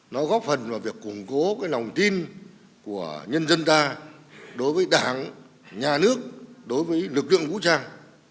nó góp phần vào việc củng cố lòng tin của nhân dân ta đối với đảng nhà nước đối với lực lượng vũ trang